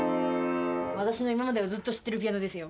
私の今までをずっと知ってるピアノですよ